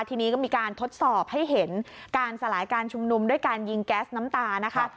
ทีนี้ก็มีการทดสอบให้เห็นการสลายการชุมนุมด้วยการยิงแก๊สน้ำตานะคะ